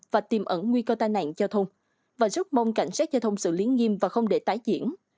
và tiềm ẩn nguy cơ tai nạn giao thông và rất mong cảnh sát giao thông xử lý nghiêm và không để tái diễn